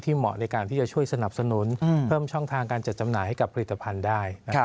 เหมาะในการที่จะช่วยสนับสนุนเพิ่มช่องทางการจัดจำหน่ายให้กับผลิตภัณฑ์ได้